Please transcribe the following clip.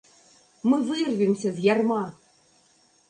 Мы вырвемся з ярма!